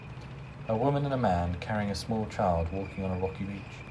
A woman and a man carrying a small child walking on a rocky beach.